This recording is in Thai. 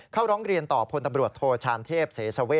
ร้องเรียนต่อพลตำรวจโทชานเทพเสสเว